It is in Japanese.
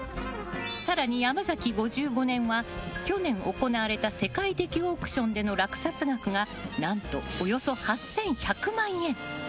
更に山崎５５年は去年行われた世界的オークションでの落札額が何と、およそ８１００万円。